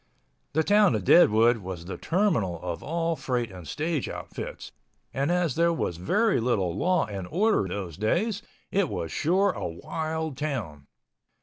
The town of Deadwood was the terminal of all freight and stage outfits, and as there was very little law and order those days, it was sure a wild town.